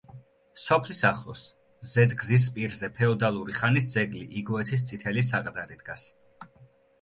სოფლის ახლოს ზედ გზის პირზე ფეოდალური ხანის ძეგლი იგოეთის წითელი საყდარი დგას.